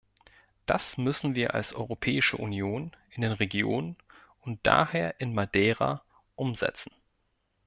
Das müssen wir als Europäische Union in den Regionen und daher in Madeira umsetzen.